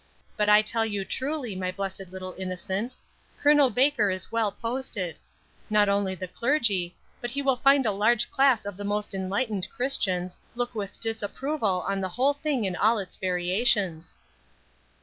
But I tell you truly, my blessed little innocent, Col. Baker is well posted; not only the clergy, but he will find a large class of the most enlightened Christians, look with disapproval on the whole thing in all its variations."